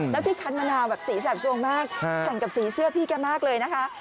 แล้วที่คันมะนาวแบบสีแสบสวงมากแข่งกับสีเสื้อพี่แกมากเลยนะคะ